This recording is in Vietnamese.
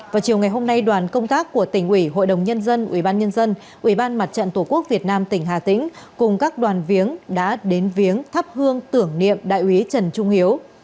vào chiều ngày hôm nay đoàn công tác của tỉnh ủy hội đồng nhân dân ủy ban nhân dân ủy ban mặt trận tổ quốc việt nam tỉnh hà tĩnh cùng các đoàn viếng đã đến viếng thắp hương tưởng niệm đại úy trần trung hiếu